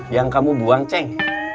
yang kamu buang ceng